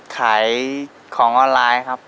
ขายของออนไลน์ครับ